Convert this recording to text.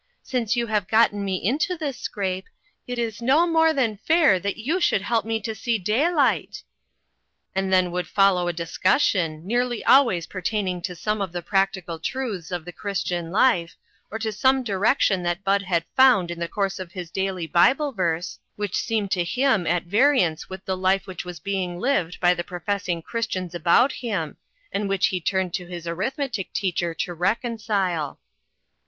Since you have gotten me into this scrape, it is no more than fair that you should help me to see daylight." And then would follow a discussion, nearly always pertaining to some of the practical truths of the Christian life, or to some di rection that Bud had found in the course of his daily Bible verse, which seemed to him at variance with the life which was being lived by the professing Christians about him, and which he turned to his arithmetic teacher to reconcile.